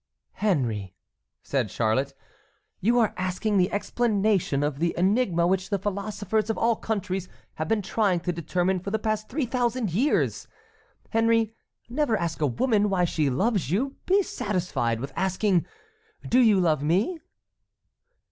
"Henry," said Charlotte, "you are asking the explanation of the enigma which the philosophers of all countries have been trying to determine for the past three thousand years! Henry, never ask a woman why she loves you; be satisfied with asking, 'Do you love me?'"